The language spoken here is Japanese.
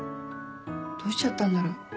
どうしちゃったんだろう？